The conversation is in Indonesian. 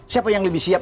siapa yang lebih siap